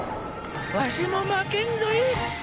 わしも負けんぞい。